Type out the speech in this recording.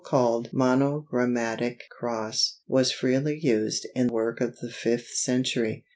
] The so called "Monogrammatic Cross" was very freely used in work of the fifth century.